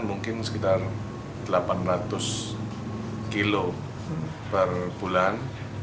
mungkin sekitar delapan ratus kilo per bulan